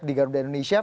di garuda indonesia